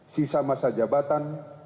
sisa masa jabatan